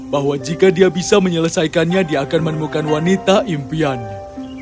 bahwa jika dia bisa menyelesaikannya dia akan menemukan wanita impiannya